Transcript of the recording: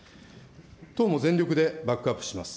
党も全力でバックアップします。